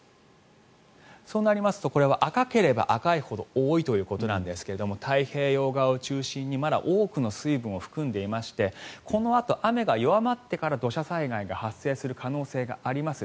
そうなりますと赤ければ赤いほど多いということですが太平洋側を中心にまだ多くの水分を含んでいましてこのあと雨が弱まってから土砂災害が発生する可能性があります。